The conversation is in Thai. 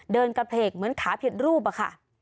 เดินกระเพกเหมือนขาผิดรูปอะค่ะ